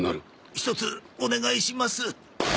ひとつお願いします。